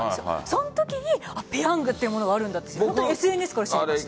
そのときにペヤングっていうものがあるんだってＳＮＳから知りました。